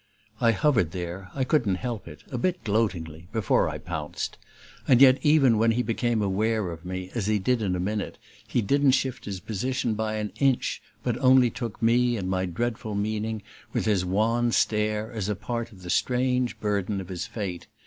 I hovered there I couldn't help it, a bit gloatingly before I pounced; and yet even when he became aware of me, as he did in a minute, he didn't shift his position by an inch, but only took me and my dreadful meaning, with his wan stare, as a part of the strange burden of his fate.